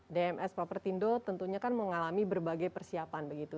dms property indul tentunya kan mengalami berbagai persiapan begitu